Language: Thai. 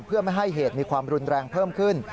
เพื่อไม่ให้เหตุมีความรุนแรงเพิ่มขึ้น